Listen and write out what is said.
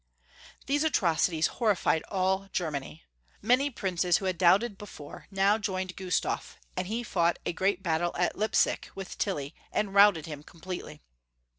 These atrocities horrified all Germany. Many princes who had doubted before now joined Gustaf, and he fought a great battle at Leipsic with Tilly, and routed him completely.